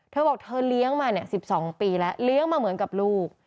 เธอบอกเธอเลี้ยงมา๑๒ปีแล้วเลี้ยงมาเหมือนกับลูก